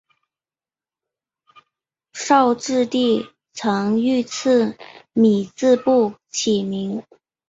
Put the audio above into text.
绍治帝曾御赐米字部起名。